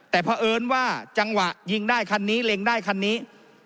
แต่เพราะเอิญว่าจังหวะยิงได้คันนี้เล็งได้คันนี้